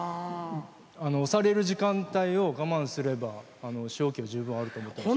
押される時間帯を我慢すれば勝機は十分あると思ってました。